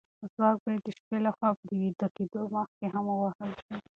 مسواک باید د شپې له خوا د ویده کېدو مخکې هم ووهل شي.